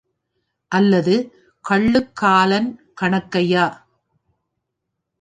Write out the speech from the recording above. அல்லது கள்ளு காலன் கணக்கையா?